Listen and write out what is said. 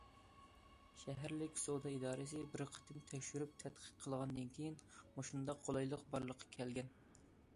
شەھەرلىك سودا ئىدارىسى بىر قېتىم تەكشۈرۈپ تەتقىق قىلغاندىن كېيىن، مۇشۇنداق قولايلىق بارلىققا كەلگەن.